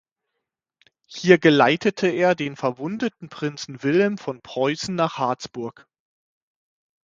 Hier geleitete er den verwundeten Prinzen Wilhelm von Preußen nach Harzburg.